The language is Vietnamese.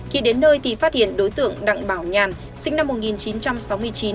khi đến nơi thì phát hiện đối tượng đặng bảo nhàn sinh năm một nghìn chín trăm sáu mươi chín